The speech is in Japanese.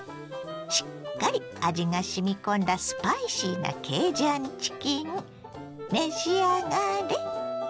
しっかり味がしみ込んだスパイシーなケイジャンチキン召し上がれ。